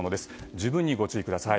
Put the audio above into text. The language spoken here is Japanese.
十分にご注意ください。